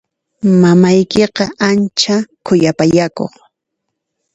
Mamaykiqa ancha khuyapayakuq.